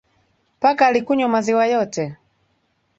Paka alikunywa maziwa yote